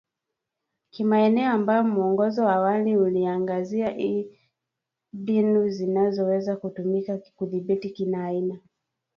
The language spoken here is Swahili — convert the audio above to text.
kimaeneo ambayo mwongozo wa awali uliangazia iii mbinu zinazoweza kutumika kudhibiti kila aina